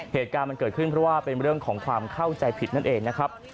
เหตุการณ์มันเกิดขึ้นเพราะว่าเป็นเรื่องของความเข้าใจผิดนั่นเองนะครับ